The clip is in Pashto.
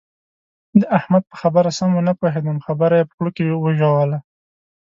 د احمد په خبره سم و نه پوهېدم؛ خبره يې په خوله کې وژوله.